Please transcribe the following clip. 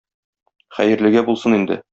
Хәерлегә булсын инде.